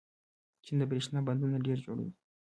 چین د برښنا بندونه ډېر جوړوي.